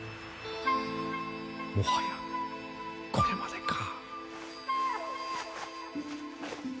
もはやこれまでか。